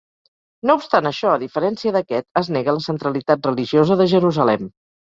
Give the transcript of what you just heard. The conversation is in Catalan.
No obstant això, a diferència d'aquest, es nega la centralitat religiosa de Jerusalem.